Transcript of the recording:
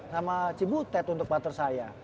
sama ciputet untuk partner saya